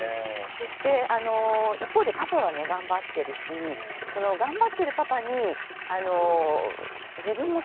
そして一方でパパはね頑張ってるしその頑張ってるパパに自分も苦しいって言えない。